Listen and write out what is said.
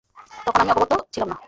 তখন আমি অবগত ছিলাম না।